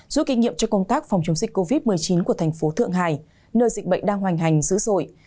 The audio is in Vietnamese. rút kinh nghiệm cho công tác phòng chống dịch covid một mươi chín của thành phố thượng hải nơi dịch bệnh đang hoành hành dữ dội